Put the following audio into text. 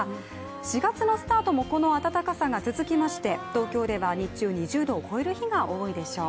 ４月のスタートもこの暖かさが続きまして東京では日中２０度を超える日が多いでしょう。